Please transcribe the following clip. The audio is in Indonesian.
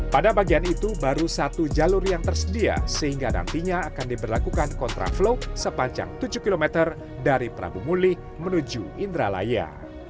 pada bagian itu baru satu jalur yang tersedia sehingga nantinya akan diberlakukan kontraflow sepanjang tujuh km dari prabu mulih menuju indralaya